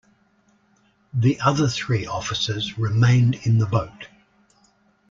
The other three officers remained in the boat.